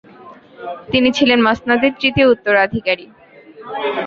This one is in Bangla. তিনি ছিলেন মসনদের তৃতীয় উত্তরাধিকারী।